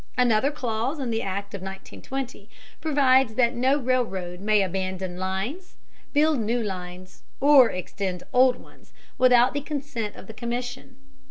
Another clause in the Act of 1920 provides that no railroad may abandon lines, build new lines, or extend old ones, without the consent of the Commission.